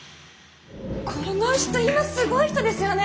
この人今すごい人ですよね？